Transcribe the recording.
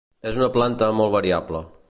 És una planta molt variable.